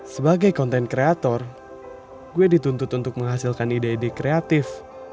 sebagai konten kreator gue dituntut untuk menghasilkan ide ide kreatif